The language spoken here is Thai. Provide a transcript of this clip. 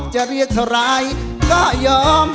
จะเรียกเท่าไรก็ยอม